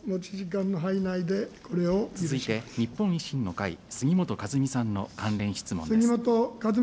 続いて日本維新の会、杉本和巳さんの関連質問です。